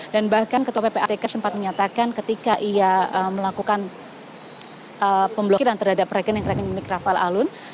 dan bahkan ketua pprtk sempat menyatakan ketika ia melakukan pemblokiran terhadap rekening rekening rafael alun